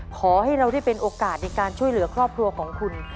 ขอให้เราได้เป็นโอกาสในการช่วยเหลือครอบครัวของคุณ